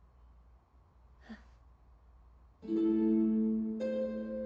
えっ？